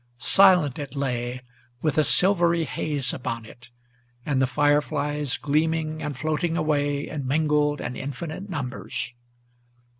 Silent it lay, with a silvery haze upon it, and the fire flies Gleaming and floating away in mingled and infinite numbers.